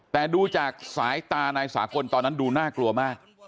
แต่ดูจากสายตานายสากลตอนนั้นดูน่ากลัวมาก